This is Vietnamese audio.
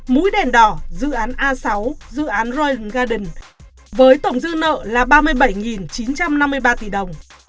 mũi đèn đỏ dự án a sáu dự án roye garden với tổng dư nợ là ba mươi bảy chín trăm năm mươi ba tỷ đồng